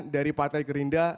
dari partai gerindra